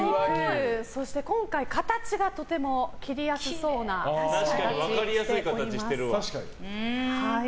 今回形がとても切りやすそうな形をしております。